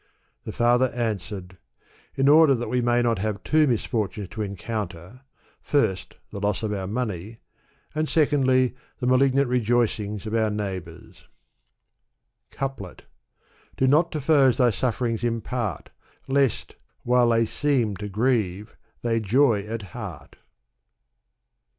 The father answered, " In order that we may not have two misfortunes to encounter — first, the loss of our money ; and secondly, the malignant rejoicings of our neighbors." Couplet Do not to foes thy sufferings impart. Lest, while they seem to grieve, they joy at heart.